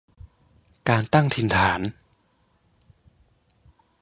การตั้งถิ่นฐาน